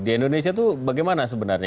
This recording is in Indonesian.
di indonesia itu bagaimana sebenarnya